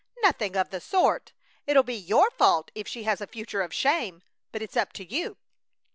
"Nothing of the sort! It'll be your fault if she has a future of shame, but it's up to you.